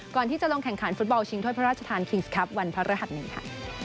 ก่อนที่จะลงแข่งขันฟุตบอลชิงถ้วยพระราชทานคิงส์ครับวันพระรหัสหนึ่งค่ะ